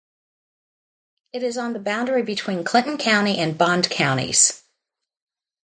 It is on the boundary between Clinton County and Bond counties.